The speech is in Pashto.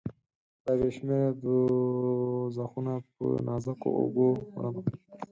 دا بې شمیره دوږخونه په نازکو اوږو، وړمه